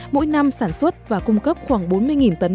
mỗi năm sản xuất và cung cấp khoảng bốn mươi tấn